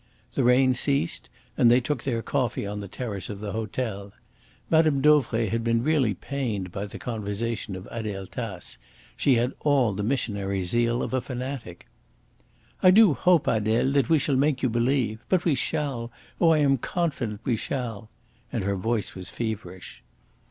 The rain ceased, and they took their coffee on the terrace of the hotel. Mme. Dauvray had been really pained by the conversation of Adele Tace. She had all the missionary zeal of a fanatic. "I do hope, Adele, that we shall make you believe. But we shall. Oh, I am confident we shall." And her voice was feverish.